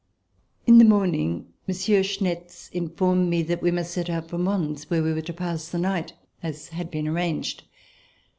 In the morning Monsieur Schnetz informed me that we must set out for Mons, where we were to pass the night, as had been arranged.